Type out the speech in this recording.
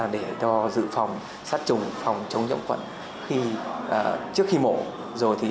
để đo dự phòng sát trùng phòng chống dộng quận trước khi mổ